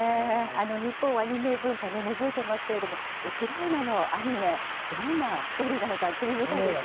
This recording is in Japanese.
日本はアニメ文化、根づいてますけれども、ウクライナのアニメ、どんなストーリーなのか、興味深いですよね。